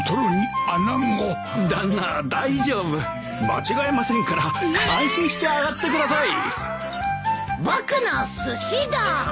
間違えませんから安心してあがってください。